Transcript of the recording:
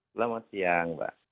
selamat siang mbak